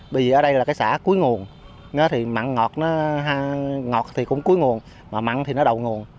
vì ở đây là cái xã cuối nguồn thì mặn ngọt nó ngọt thì cũng cuối nguồn mà mặn thì nó đầu nguồn